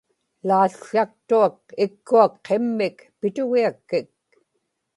ḷałłaktuak ikkuak qimmik pitugiakkik